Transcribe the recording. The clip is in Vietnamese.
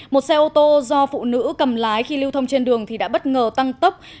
một xe ô tô do phụ nữ cầm lái khi lưu thông trên đường thì đã bất ngờ tăng tốc